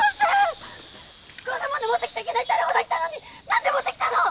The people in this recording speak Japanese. こんな物持ってきちゃいけないってあれほど言ったのに何で持ってきたの！？